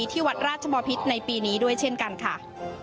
ที่วัดราชบอพิษในปีนี้ด้วยเช่นกันค่ะ